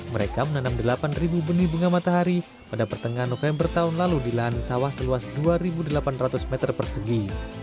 mereka menanam delapan benih bunga matahari pada pertengahan november tahun lalu di lahan sawah seluas dua delapan ratus meter persegi